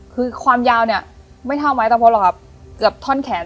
คือความยาวเนี่ยไม่เท่าไม้ตะพดหรอกครับเกือบท่อนแขน